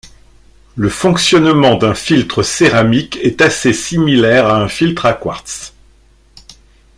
Le fonctionnement d'un filtre céramique est assez similaire à un filtre à quartz.